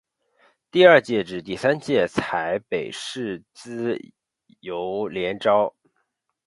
第二届至第三届采北市资优联招。